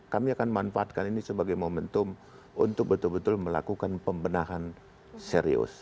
kami akan manfaatkan ini sebagai momentum untuk betul betul melakukan pembenahan serius